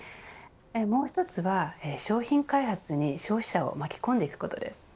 もう一つは、商品開発に消費者を巻き込んでいくことです。